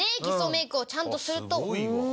擬装メイクをちゃんとすると。